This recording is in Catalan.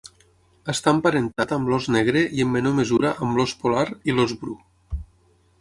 Està emparentat amb l'ós negre i en menor mesura amb l'ós polar i l'ós bru.